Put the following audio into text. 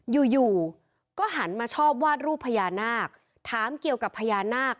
อยู่อยู่ก็หันมาชอบวาดรูปพญานาคถามเกี่ยวกับพญานาค